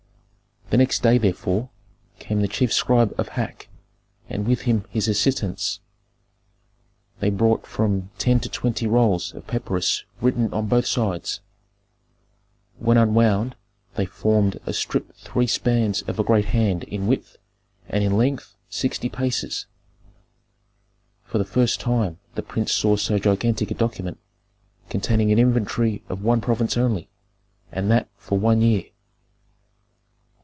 The next day, therefore, came the chief scribe of Hak, and with him his assistants. They brought from ten to twenty rolls of papyrus written on both sides. When unwound, they formed a strip three spans of a great hand in width and in length sixty paces. For the first time the prince saw so gigantic a document, containing an inventory of one province only and that for one year.